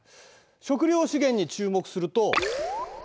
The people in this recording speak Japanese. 食料資源に注目すると。